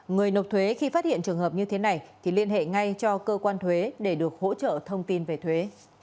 người nộp thuế khi phát hiện trường hợp như thế này thì liên hệ ngay cho cơ quan thuế để được hỗ trợ thông tin về thuế